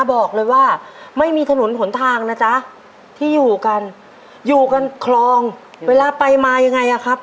บอกเลยว่าไม่มีถนนหนทางนะจ๊ะที่อยู่กันอยู่กันคลองเวลาไปมายังไงอ่ะครับ